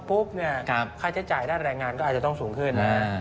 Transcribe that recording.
ปุ๊บเนี่ยค่าใช้จ่ายด้านแรงงานก็อาจต้องสูงขึ้นน่ะ